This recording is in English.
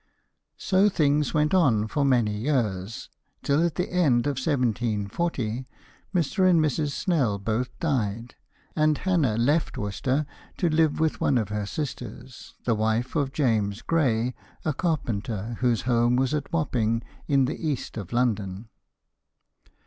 So things went on for many years, till at the end of 1740 Mr. and Mrs. Snell both died, and Hannah left Worcester to live with one of her sisters, the wife of James Gray, a carpenter, whose home was at Wapping in the east of London.